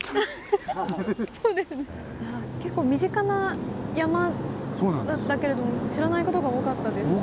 結構身近な山だったけれども知らない事が多かったですね。